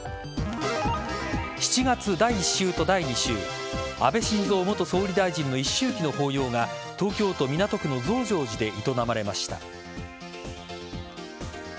７月第１週と第２週安倍晋三元総理大臣の一周忌の法要が東京都港区の増上寺で営まれました。